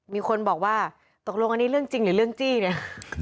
มีคนบอกว่าตกลงอันนี้เรื่องจริงหรือเรื่องจี้เนี่ย